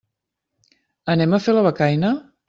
Anem a fer la becaina?